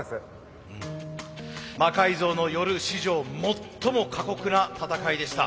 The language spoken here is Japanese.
「魔改造の夜」史上最も過酷な戦いでした。